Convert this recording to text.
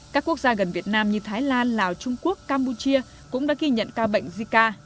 các quốc gia gần việt nam như thái lan lào trung quốc campuchia cũng đã ghi nhận ca bệnh zika